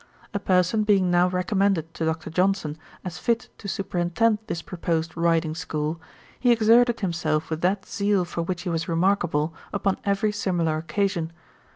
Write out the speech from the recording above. A person being now recommended to Dr. Johnson, as fit to superintend this proposed riding school, he exerted himself with that zeal for which he was remarkable upon every similar occasion.